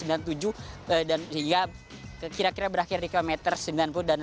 dan sehingga kira kira berakhir di kilometer sembilan puluh dan delapan puluh sembilan